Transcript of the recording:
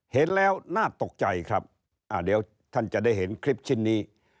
เห็นแล้วน่าตกใจครับเดี๋ยวท่านจะได้เห็นคลิปชิ้นนี้